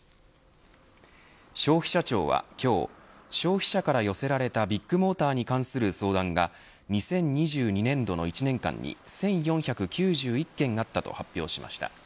消費者庁は今日消費者から寄せられたビッグモーターに関する相談が２０２２年度の１年間に１４９１件あったと発表しました。